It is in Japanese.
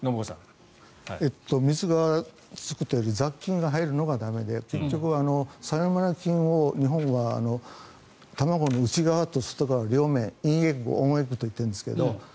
水がつくというより雑菌が入るのが駄目で結局サルモネラ菌を日本は卵の内側と外側インエッグ、オンエッグといってるんですけど